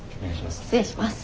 失礼します。